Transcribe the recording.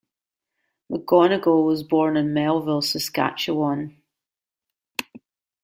McGonigal was born in Melville, Saskatchewan.